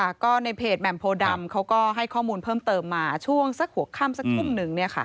ก็ในเพจแหม่มโพดำเขาก็ให้ข้อมูลเพิ่มเติมมาช่วงสักหัวค่ำสักทุ่มหนึ่ง